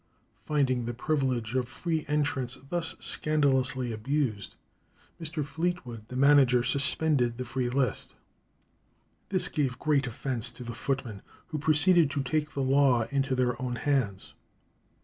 Finding the privilege of free entrance thus scandalously abused, Mr. Fleetwood, the manager, suspended the free list. This gave great offence to the footmen, who proceeded to take the law into their own hands.